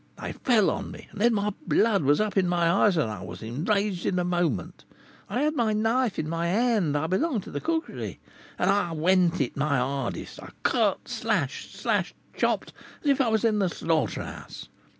They fell on me, and then my blood was up in my eyes, and I was enraged in a moment. I had my knife in my hand I belonged to the cookery and I 'went it my hardest.' I cut, slashed, slashed, chopped, as if I was in the slaughter house.